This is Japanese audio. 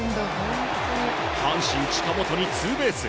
阪神、近本にツーベース。